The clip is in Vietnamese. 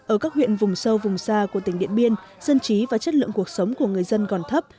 ở các huyện vùng sâu vùng xa của tỉnh điện biên dân trí và chất lượng cuộc sống của người dân còn thấp